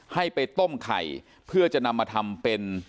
ให้ไปต้มไข่เพื่อจะนำมาทำเป็น